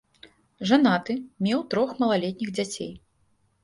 Жанаты, меў трох малалетніх дзяцей.